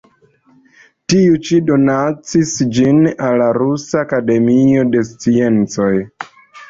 Tiu ĉi donacis ĝin al la Rusa Akademio de Sciencoj.